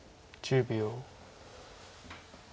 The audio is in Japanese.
１０秒。